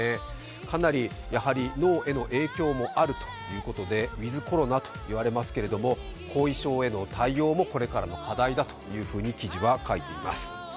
かなり脳への影響もあるということでウィズ・コロナと言われますけれども、後遺症への対応もこれからの課題だと記事は書いています。